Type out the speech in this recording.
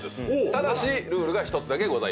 ただしルールが１つだけございます。